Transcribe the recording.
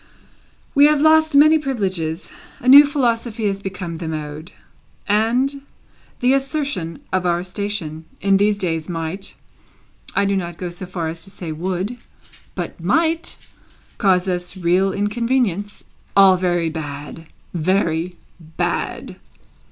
We have lost many privileges; a new philosophy has become the mode; and the assertion of our station, in these days, might (I do not go so far as to say would, but might) cause us real inconvenience. All very bad, very bad!"